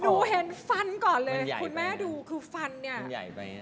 เห็นฟันก่อนเลยคุณแม่ดูคือฟันเนี่ย